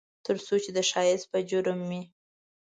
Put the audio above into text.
ترڅو چې د ښایست په جرم مې